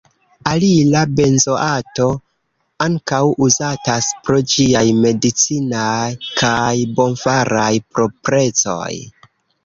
Alila benzoato ankaŭ uzatas pro ĝiaj medicinaj kaj bonfaraj proprecoj.